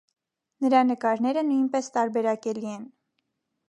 Նրա նկարները նույնպես տարբերակելի են։